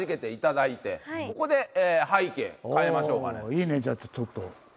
いいねじゃあちょっと。